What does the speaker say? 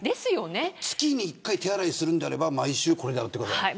月に１回手洗いするんであれば毎週これで洗ってください。